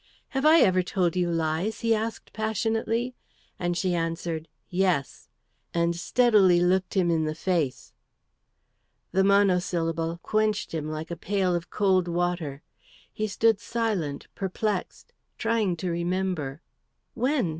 "Have I ever told you lies?" he asked passionately, and she answered, "Yes," and steadily looked him in the face. The monosyllable quenched him like a pail of cold water. He stood silent, perplexed, trying to remember. "When?"